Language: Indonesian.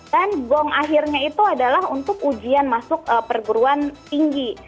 dan gong akhirnya itu adalah untuk ujian masuk perguruan tinggi